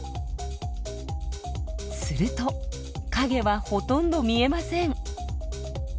すると影はほとんど見えません。